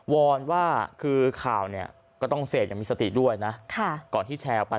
อนว่าคือข่าวเนี่ยก็ต้องเสพอย่างมีสติด้วยนะก่อนที่แชร์ไป